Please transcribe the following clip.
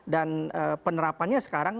dan penerapannya sekarang